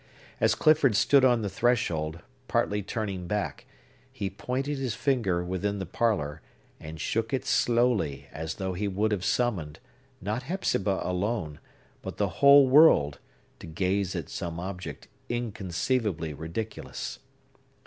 As Clifford stood on the threshold, partly turning back, he pointed his finger within the parlor, and shook it slowly as though he would have summoned, not Hepzibah alone, but the whole world, to gaze at some object inconceivably ridiculous.